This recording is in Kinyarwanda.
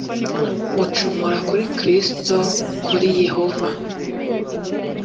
mucumura kuri kristo kuri yehova